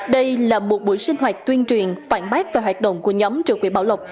đây là một buổi sinh hoạt tuyên truyền phản bác và hoạt động của nhóm trừ quỷ bảo lộc